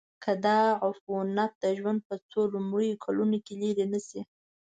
که دا عفونت د ژوند په څو لومړنیو کلونو کې لیرې نشي.